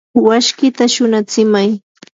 washkita shunatsimay.